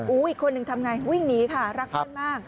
อีกคนหนึ่งทำไงวิ่งหนีค่ะรักเพื่อนมาก